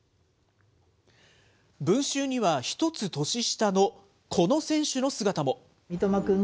文集には、１つ年下のこの選手の姿も。